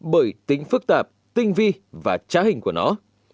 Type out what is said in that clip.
bởi tính phức tạp tinh vi và trá hình của nó